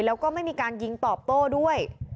แล้วก็ไม่มีการยิงตอบโต้ด้วย